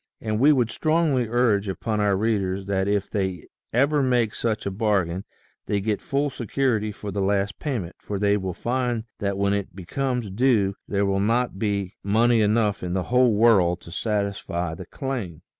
And we would strongly urge upon our readers that if they ever make such a bargain, they get full security for the last payment for they will find that when it becomes due there will not be money enough in the whole world to satisfy the claim.